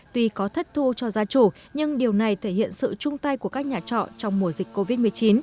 tuy có thất thu cho gia chủ nhưng điều này thể hiện sự chung tay của các nhà trọ trong mùa dịch covid một mươi chín